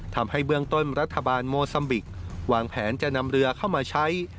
ทำให้เบื้องต้นรัฐบาลโมซัมบิกวางแผนจะนำเรือเข้ามาใช้